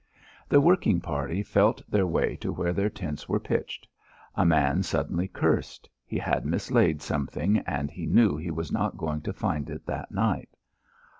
The working party felt their way to where their tents were pitched. A man suddenly cursed; he had mislaid something, and he knew he was not going to find it that night.